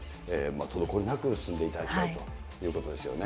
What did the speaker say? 滞りなく進んでいきたいということですよね。